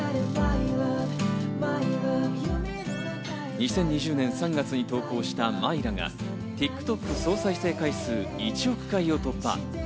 ２０２０年３月に投稿した『Ｍｙｒａ』が、ＴｉｋＴｏｋ総再生回数、１億回を突破。